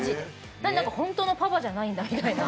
なのに、本当のパパじゃないんだ、みたいな。